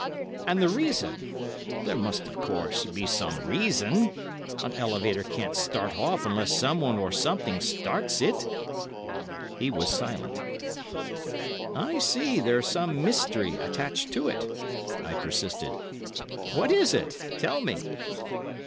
"And the reason?—there must, of course, be some reason. An elevator can't start off unless someone or something starts it." He was silent. "I see there's some mystery attached to it," I persisted. "What is it? Tell me."